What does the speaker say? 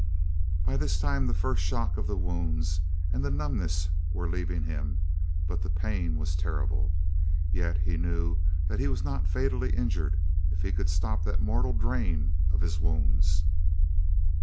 By this time the first shock of the wounds and the numbness were leaving him, but the pain was terrible. Yet he knew that he was not fatally injured if he could stop that mortal drain of his wounds.